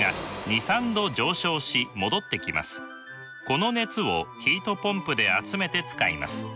この熱をヒートポンプで集めて使います。